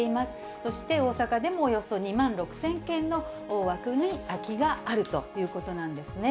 そして大阪でもおよそ２万６０００件の枠に空きがあるということなんですね。